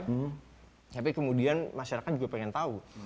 hmm tapi kemudian masyarakat juga pengen tahu